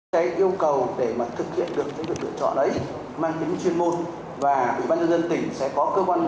cái yêu cầu để mà thực hiện được cái việc lựa chọn đấy mang tính chuyên môn và ủy ban nhân dân tỉnh sẽ có cơ quan